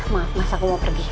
maaf masa aku mau pergi